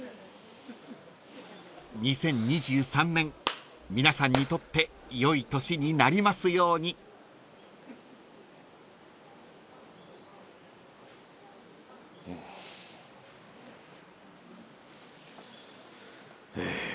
［２０２３年皆さんにとって良い年になりますように］いや。